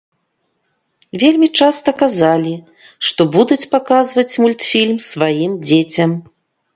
Вельмі часта казалі, што будуць паказваць мультфільм сваім дзецям.